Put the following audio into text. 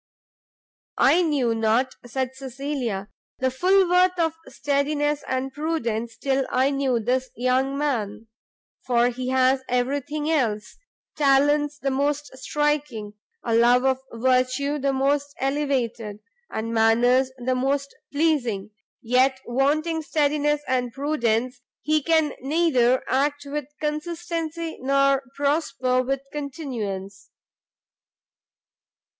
"I knew not," said Cecilia, "the full worth of steadiness and prudence till I knew this young man; for he has every thing else; talents the most striking, a love of virtue the most elevated, and manners the most pleasing; yet wanting steadiness and prudence, he can neither act with consistency nor prosper with continuance."